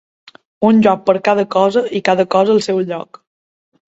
Un lloc per cada cosa i cada cosa al seu lloc.